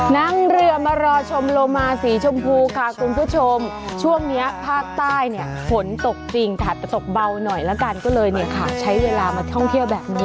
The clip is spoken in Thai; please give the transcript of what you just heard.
นั่งเรือมารอชมโลมาสีชมพูค่ะคุณผู้ชมช่วงนี้ภาคใต้เนี่ยฝนตกจริงถัดตกเบาหน่อยละกันก็เลยเนี่ยค่ะใช้เวลามาท่องเที่ยวแบบนี้